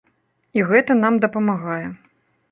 І гэта нам дапамагае.